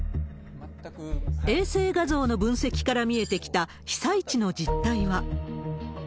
衛星画像の分析から見えてきた被災地の実態は。